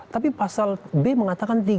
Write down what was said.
tapi pasal b mengatakan tiga